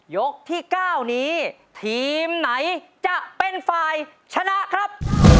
ยกที่๙นี้ทีมไหนจะเป็นฝ่ายชนะครับ